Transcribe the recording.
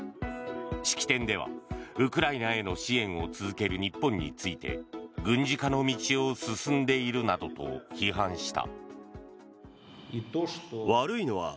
式典では、ウクライナへの支援を続ける日本について軍事化の道を進んでいるなどと批判した。